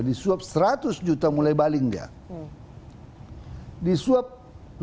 disuap seratus juta mulai baling dia disuap lebih dari seratus juta